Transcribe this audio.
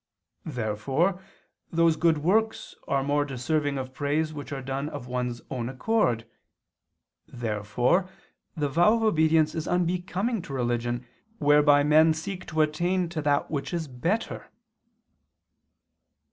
Therefore those good works are more deserving of praise which are done of one's own accord. Therefore the vow of obedience is unbecoming to religion whereby men seek to attain to that which is better.